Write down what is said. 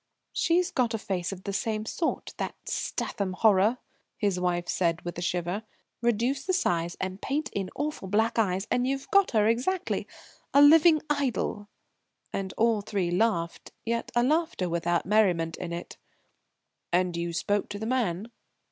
"She's got a face of the same sort, that Statham horror," his wife said with a shiver. "Reduce the size, and paint in awful black eyes, and you've got her exactly a living idol." And all three laughed, yet a laughter without merriment in it. "And you spoke to the man?"